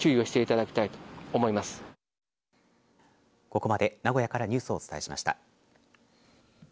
ここまで名古屋からニュースをお伝えしました。